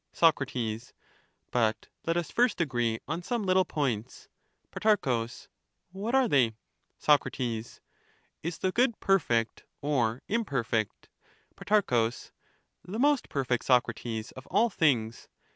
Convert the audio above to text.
Soc, But, let us first agree on some little points. Pro, What are they ? Soc, Is the good perfect or imperfect? Pro. The most perfect, Socrates, of all things.